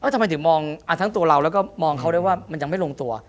ทำไมถึงมองทั้งตัวเราแล้วก็มองเขาได้ว่ามันยังไม่ลงตัว